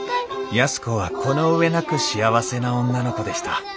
安子はこの上なく幸せな女の子でした。